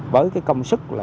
với công sức